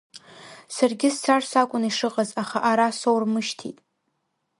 Саргьы сцарц акәын ишыҟаз, аха ара соурмышьҭит.